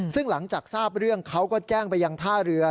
ซึ่งหลังจากทราบเรื่องเขาก็แจ้งไปยังท่าเรือ